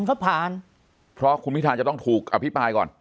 ก็ผ่านเพราะคุณพิธาจะต้องถูกอภิปรายก่อน